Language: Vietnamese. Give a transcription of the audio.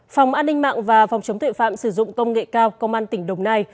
phòng an ninh mạng và phòng chống tuệ phạm sử dụng công nghệ cao công an tỉnh đồng nai